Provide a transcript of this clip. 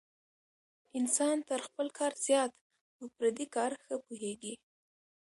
انسان تر خپل کار زیات په پردي کار ښه پوهېږي.